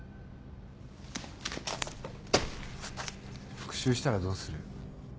復讐したらどうする？